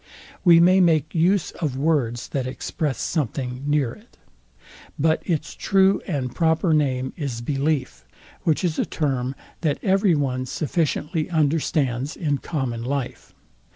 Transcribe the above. We may make use of words, that express something near it. But its true and proper name is belief, which is a term that every one sufficiently understands in common life.